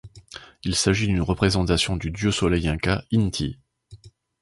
Il s'agit d'une représentation du dieu du soleil Inca, Inti.